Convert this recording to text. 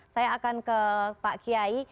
saya akan ke pak kiai